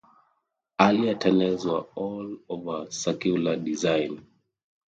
Earlier tunnels were all of a circular design.